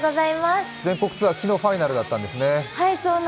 全国ツアー、昨日ファイナルだったんですね。